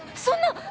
そんな！